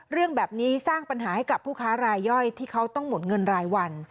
เรื่องแบบนี้สร้างปัญหาให้กับผู้ค้ารายย่อยที่เขาต้องหมดเงินรายวัน